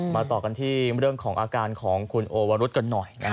ต่อกันที่เรื่องของอาการของคุณโอวรุธกันหน่อย